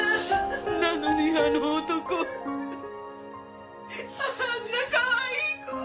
なのにあの男あんなかわいい子を！